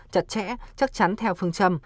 chặt chẽ chắc chắn theo phương châm